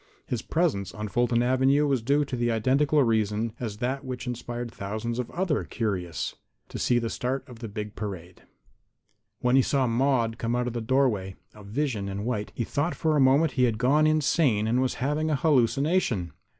His presence on Fulton avenue was due to the identical reason as that which inspired thousands of others curious to see the start of a big parade. When he saw Maude come out of the doorway, a vision in white, he thought for a moment he had gone insane and was having a hallucination.